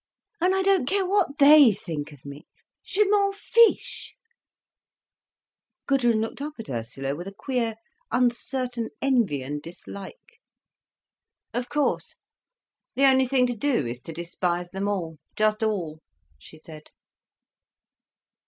And I don't care what they think of me. Je m'en fiche." Gudrun looked up at Ursula with a queer, uncertain envy and dislike. "Of course, the only thing to do is to despise them all—just all," she said.